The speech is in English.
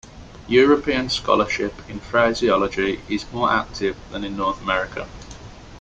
European scholarship in phraseology is more active than in North America.